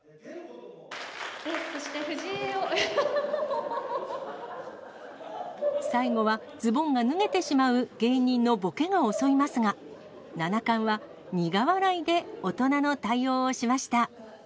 そして、最後はズボンが脱げてしまう芸人のボケが襲いますが、七冠は、苦笑いで大人の対応をしました。